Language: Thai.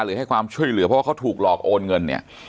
ให้ความช่วยเหลือเพราะว่าเขาถูกหลอกโอนเงินเนี่ย